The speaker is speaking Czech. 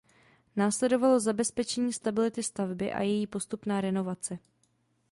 Následovalo zabezpečení stability stavby a její postupná renovace.